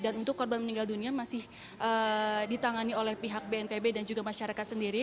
dan untuk korban meninggal dunia masih ditangani oleh pihak bnpb dan juga masyarakat sendiri